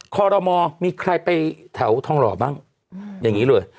คอรมอมีใครไปแถวทองหล่อบ้างอย่างนี้เลย